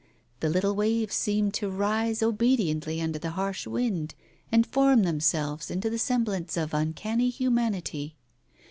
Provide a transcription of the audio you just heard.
The little waves seemed to rise obediently under the harsh wind, and form themselves into the semblance of uncanny humanity.